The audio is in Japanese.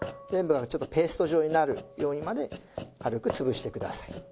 全部ちょっとペースト状になるようにまで軽く潰してください。